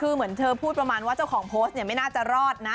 คือเหมือนเธอพูดประมาณว่าเจ้าของโพสต์เนี่ยไม่น่าจะรอดนะ